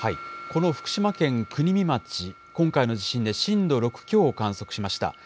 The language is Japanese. この福島県国見町、今回の地震で震度６強を観測しました。